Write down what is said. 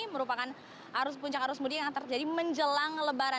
merupakan arus puncak arus mudik yang terjadi menjelang lebaran